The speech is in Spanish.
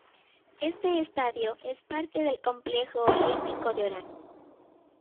Este estadio es parte del Complejo Olímpico de Orán.